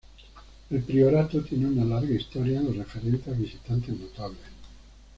El priorato tiene una larga historia en lo referente a visitantes notables.